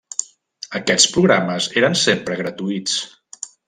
Aquests programes eren sempre gratuïts.